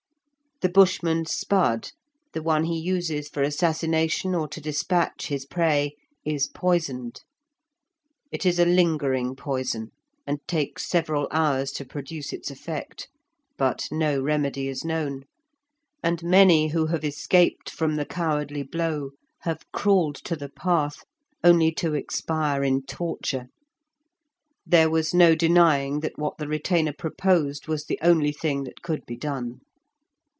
The Bushman's spud, the one he uses for assassination or to despatch his prey, is poisoned. It is a lingering poison, and takes several hours to produce its effect; but no remedy is known, and many who have escaped from the cowardly blow have crawled to the path only to expire in torture. There was no denying that what the retainer proposed was the only thing that could be done.